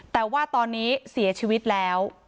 แต่ว่าตอนนี้เสียชีวิตแล้ว